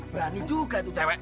berani juga tuh cewek